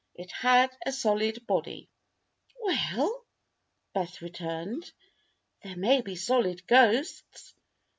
It had a solid body." "We ell," Bess returned. "There may be solid ghosts."